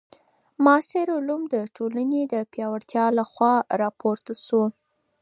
معاصر علم د ټولني د پیاوړتیا له خوا راپورته سو.